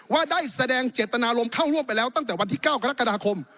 ว่าได้แสดงเจตนารมณ์เข้าร่วมไปแล้วตั้งแต่วันที่๙กรกฎาคม